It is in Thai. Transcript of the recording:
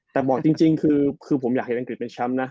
แต่บอกจริงคือผมอยากให้อังกฤษเป็นแชมป์นะ